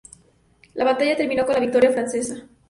La batalla terminó con la victoria francesa.